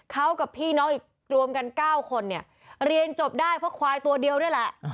เขากับพี่น้องอีกรวมกัน๙คนเนี่ยเรียนจบได้เพราะควายตัวเดียวนี่แหละ